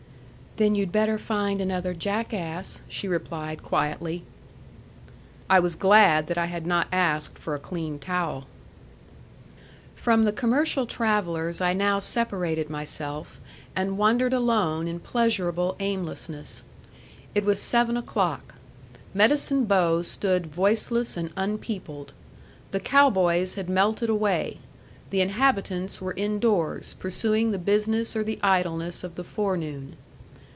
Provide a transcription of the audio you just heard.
"Then you'd better find another jackass," she replied quietly. I was glad that I had not asked for a clean towel. From the commercial travellers I now separated myself, and wandered alone in pleasurable aimlessness. It was seven o'clock. Medicine Bow stood voiceless and unpeopled. The cow boys had melted away. The inhabitants were indoors, pursuing the business or the idleness of the forenoon.